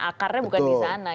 akarnya bukan di sana